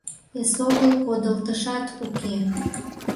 Эсогыл подылтышат уке.